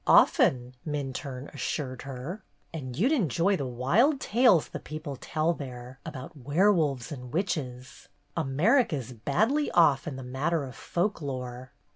"Often!" Minturne assured her. "And you 'd enjoy the wild tales the people tell there, about werewolves and witches. America's badly off in the matter of folk lore."